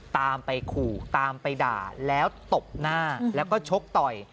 ตามไปขู่ตามไปด่าแล้วตบหน้าแล้วก็ชกต่อย